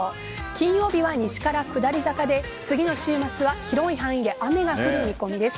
金曜日は西から下り坂で次の週末は広い範囲で雨が降る見込みです。